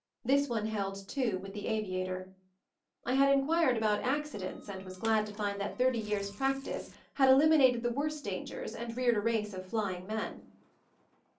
This one held two, with the aviator. I had inquired about accidents, and was glad to find that thirty years' practice had elimi nated the worst dangers and reared a race of flying men.